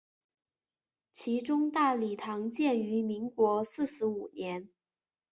其中大礼堂建于民国四十五年。